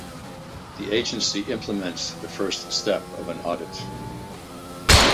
The agency implements the first step of an audit.